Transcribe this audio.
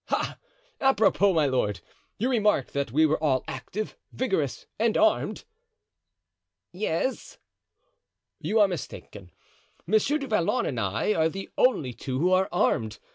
Ah! apropos, my lord! you remarked that we were all active, vigorous and armed." "Yes." "You are mistaken. Monsieur du Vallon and I are the only two who are armed.